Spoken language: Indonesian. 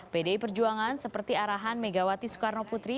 pd perjuangan seperti arahan megawati soekarnoputri